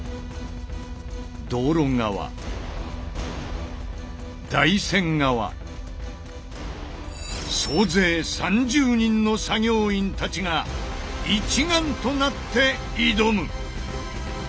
道路側台船側総勢３０人の作業員たちが一丸となって挑む！